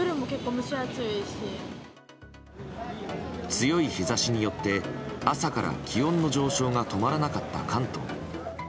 強い日差しによって朝から気温の上昇が止まらなかった関東。